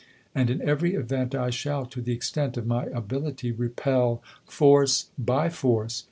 And in every event I shall, to the extent of my ability, repel force by force.